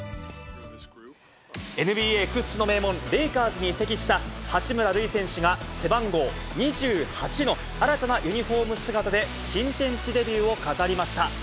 ＮＢＡ屈指の名門、レイカーズに移籍した八村塁選手が背番号２８の新たなユニホーム姿で新天地デビューを飾りました。